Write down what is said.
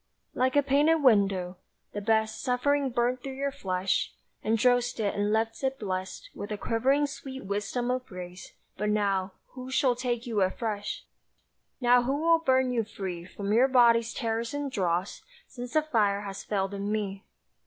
Like a painted window: the best Suffering burnt through your flesh, Undrossed it and left it blest With a quivering sweet wisdom of grace: but now Who shall take you afresh? Now who will burn you free From your body's terrors and dross, Since the fire has failed in me?